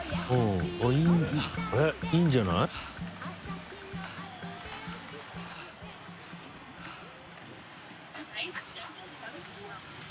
Δいいんじゃない？